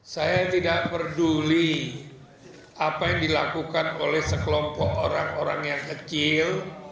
saya tidak peduli apa yang dilakukan oleh sekelompok orang orang yang kecil